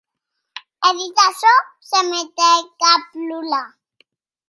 E dit açò, se metec a plorar.